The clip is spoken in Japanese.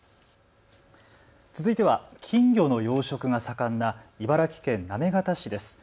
続いては金魚の養殖が盛んな茨城県行方市です。